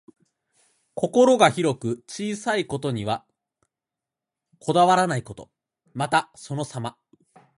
心が広く、小さいことにはこだわらないこと。また、そのさま。